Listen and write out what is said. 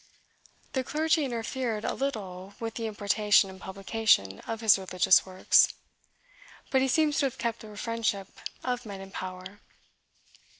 The clergy interfered a little with the importation and publication of his religious works; but he seems to have kept the friendship of men in power.